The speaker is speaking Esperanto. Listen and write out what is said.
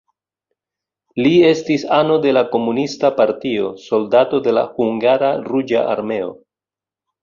Li estis ano de la komunista partio, soldato de la hungara ruĝa armeo.